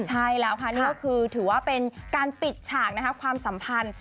ใช่แล้วค่ะนี่ก็คือถือว่าเป็นการปิดฉากนะคะความสัมพันธ์